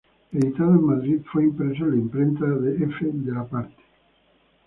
Editado en Madrid fue impreso en la imprenta de F. de la Parte.